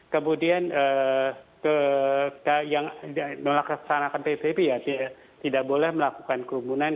kemudian yang melaksanakan psbb ya tidak boleh melakukan kerumunan